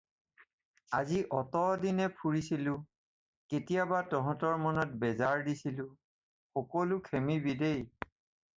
আজি অতদিনে ফুৰিছিলোঁ, কেতিয়াবা তহঁতৰ মনত বেজাৰ দিছিলোঁ, সকলো খেমিবি দেই।